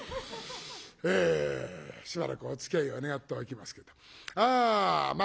えしばらくおつきあいを願っておきますけどまあ